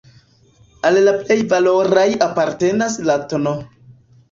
Al la plej valoraj apartenas la tn.